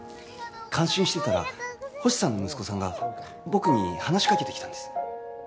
感心してたら星さんの息子さんが僕に話しかけてきたんです。